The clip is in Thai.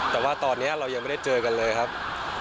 แต่ว่าตอนนี้เรายังไม่ได้เจอกันเลยครับ